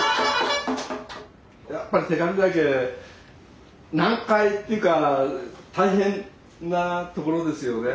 やっぱり光岳難解っていうか大変なところですよね。